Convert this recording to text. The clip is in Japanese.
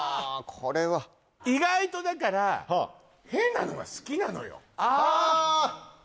これは意外とだから変なのが好きなのよああ！